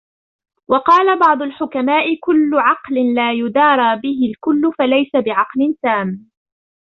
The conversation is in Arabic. وَقَالَ بَعْضُ الْحُكَمَاءِ كُلُّ عَقْلٍ لَا يُدَارَى بِهِ الْكُلُّ فَلَيْسَ بِعَقْلٍ تَامٍّ